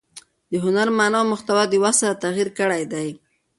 د هنر مانا او محتوا د وخت سره تغیر کړی دئ.